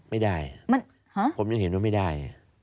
ไม่ได้ผมยังเห็นว่าไม่ได้